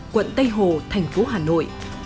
quận tây hồ thành phố hà nội